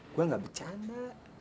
gue gak bercanda